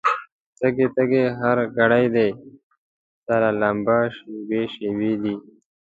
تږی، تږی هر ګړی دی، سره لمبه شېبې شېبې دي